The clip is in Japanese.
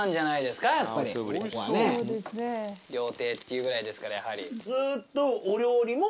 料亭っていうぐらいですからやはり。